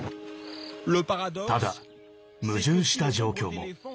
ただ、矛盾した状況も。